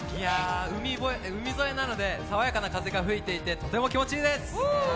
海沿いなので爽やかな風が吹いていてとても気持ちいいです。